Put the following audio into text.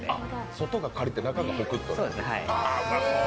外がカリッと中がホクッと。